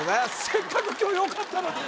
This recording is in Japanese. せっかく今日よかったのに